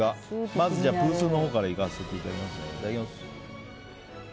まずプースーのほうからいかせていただきます。